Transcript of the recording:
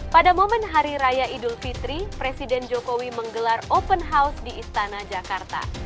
pada momen hari raya idul fitri presiden jokowi menggelar open house di istana jakarta